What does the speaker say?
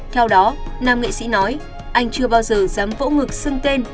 theo đó nam nghệ sĩ nói anh chưa bao giờ dám vỗ ngực xưng tên